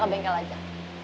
masa dulu malah beer